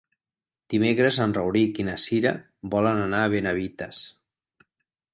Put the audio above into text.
Dimecres en Rauric i na Cira volen anar a Benavites.